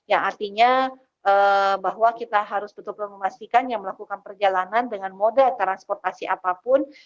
yang artinya bahwa kita harus betul betul memastikan yang melakukan perjalanan dengan moda transportasi apapun